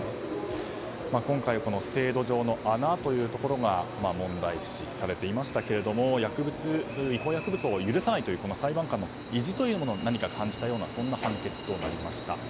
今回、制度上の穴が問題視されていましたが違法薬物を許さないという裁判官の意地というのを感じたようなそんな判決となりました。